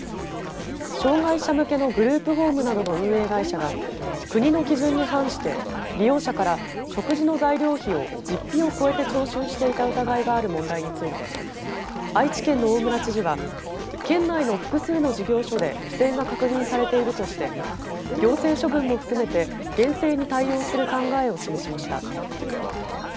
障害者向けのグループホームなどの運営会社が国の基準に反して利用者から食事の材料費を実費を超えて徴収していた疑いがある問題について愛知県の大村知事は県内の複数の事業所で不正が確認されているとして行政処分も含めて厳正に対応する考えを示しました。